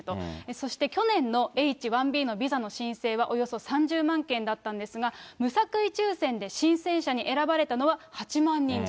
そして去年のＨー１Ｂのビザの申請は、およそ３０万件だったんですが、無作為抽せんで申請者に選ばれたのは８万人弱。